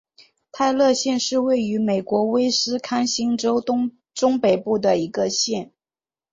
泰勒县是位于美国威斯康辛州中北部的一个县。